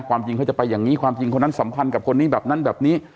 ความจริงเขาจะไปอย่างนี้ความจริงคนนั้นสัมพันธ์กับคนนี้แบบนั้นแบบนี้